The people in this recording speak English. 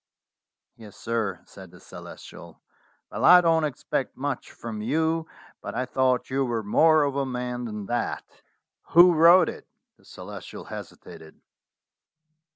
"Yes, sir," said the Celestial. "Well, I don't expect much from you, but I thought you were more of a man than that. Who wrote it?" The Celestial hesitated.